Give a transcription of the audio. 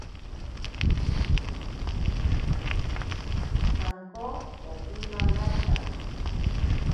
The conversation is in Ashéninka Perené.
Sanko opimanata.